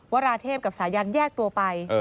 วราเทพกับสายันแยกตัวไป